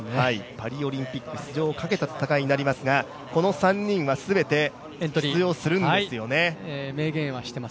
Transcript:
パリオリンピック、出場を掛けた戦いになりますがこの３人は全て出場するんですね。